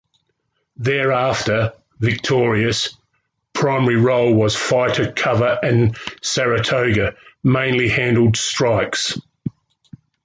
"Thereafter, "Victorious' "primary role was fighter cover and "Saratoga" mainly handled strikes.